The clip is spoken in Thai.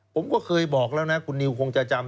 ผมก็เคยบอกแล้วนะคุณนิวคงจะจำ